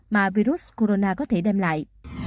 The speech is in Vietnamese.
mà virus corona có thể đem lại